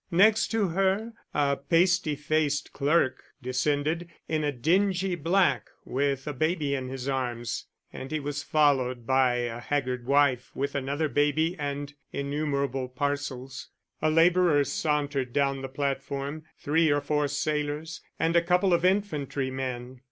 Next to her a pasty faced clerk descended, in a dingy black, with a baby in his arms; and he was followed by a haggard wife with another baby and innumerable parcels. A labourer sauntered down the platform, three or four sailors, and a couple of infantry men.